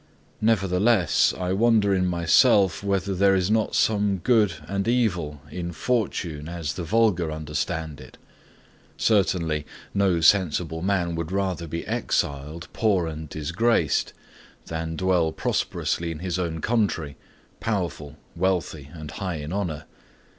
Nevertheless, I wonder in myself whether there is not some good and evil in fortune as the vulgar understand it. Surely, no sensible man would rather be exiled, poor and disgraced, than dwell prosperously in his own country, powerful, wealthy, and high in honour.